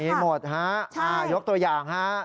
มีหมดฮะยกตัวอย่างฮะ